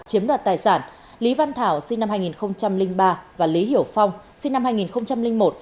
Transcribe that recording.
chiếm đoạt tài sản lý văn thảo sinh năm hai nghìn ba và lý hiểu phong sinh năm hai nghìn một